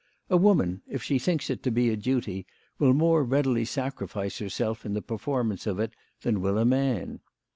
A woman, if she thinks it to be a duty, will more readily sacrifice herself in the per formance of it than will a man.